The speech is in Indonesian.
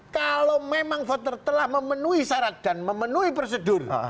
kalau memang voter telah memenuhi syarat dan memenuhi prosedur